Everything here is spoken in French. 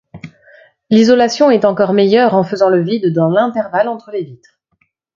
L'isolation est encore meilleure en faisant le vide dans l'intervalle entre les vitres.